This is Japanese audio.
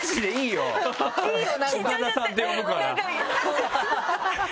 「岡田さん」って呼ぶからハハハハ！